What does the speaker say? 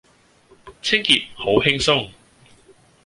清潔好輕鬆